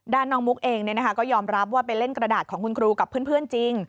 น้องมุกเองก็ยอมรับว่าไปเล่นกระดาษของคุณครูกับเพื่อนจริง